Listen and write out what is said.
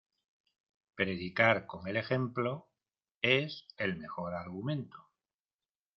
Predicar con el ejemplo, es el mejor argumento.